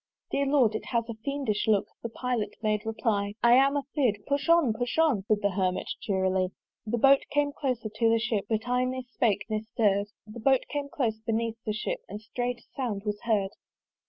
"Dear Lord! it has a fiendish look" (The Pilot made reply) "I am a fear'd. "Push on, push on!" Said the Hermit cheerily. The Boat came closer to the Ship, But I ne spake ne stirr'd! The Boat came close beneath the Ship, And strait a sound was heard!